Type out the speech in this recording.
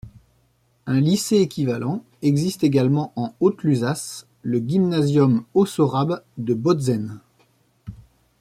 Un lycée équivalent existe également en Haute-Lusace, le Gymnasium haut-sorabe de Bautzen.